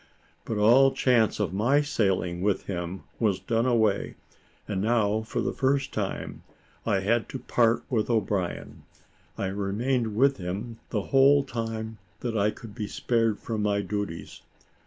But all chance of my sailing with him was done away, and now, for the first time, I had to part with O'Brien. I remained with him the whole time that I could be spared from my duties.